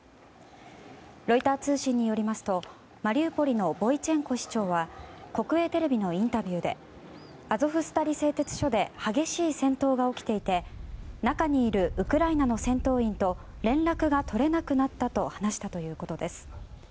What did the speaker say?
ロイター通信によりますとマリウポリのボイチェンコ市長は国営テレビのインタビューでアゾフスタリ製鉄所で激しい戦闘が起きていて中にいるウクライナの戦闘員と連絡が取れなくなったと話したということです。